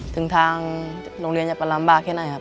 ถึงทางโรงเรียนจะประลำบากแค่ไหนครับ